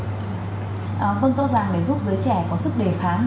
vâng rõ ràng để giúp giới trẻ có sức đề kháng